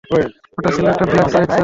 ওটা ছিল একটা ব্ল্যাক সাইট, স্যার।